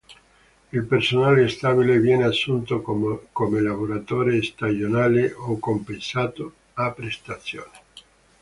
Il personale stabile viene assunto come lavoratore stagionale o compensato a prestazione.